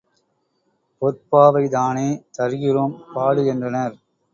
பொற்பாவை தானே தருகிறோம் பாடு என்றனர்.